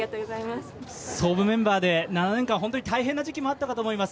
創部メンバーで７年間本当に大変な時期もあったと思います。